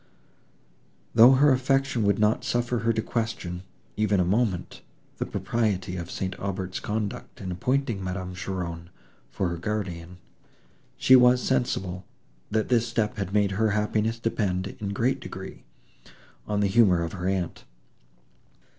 Though her affection would not suffer her to question, even a moment, the propriety of St. Aubert's conduct in appointing Madame Cheron for her guardian, she was sensible, that this step had made her happiness depend, in a great degree, on the humour of her aunt.